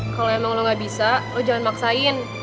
kalau emang lo gak bisa lo jangan maksain